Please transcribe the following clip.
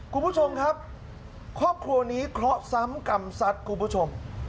คุณผู้ชมครับเข้าครัวนี้คลอส้ำกรรมสัตย์คุณผู้ชม